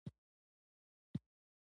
احمد الو په شفتالو پيوندوي.